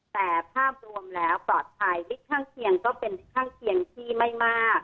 แต่ภาพรวมแล้วปลอดภัยลิตรข้างเคียงก็เป็นลิตรข้างเคียงที่ไม่มาก